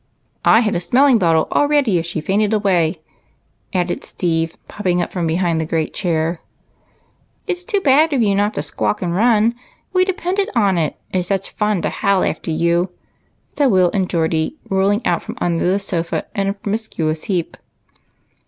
"I had a smelling bottle all ready if she fainted away," added Steve, popping up from behind the great chair. " It 's too bad of you not to squawk and run ; we depended on it, it 's such fun to howl after you," said Will and Geordie, rolling out from under the sofa in a promiscuous heap.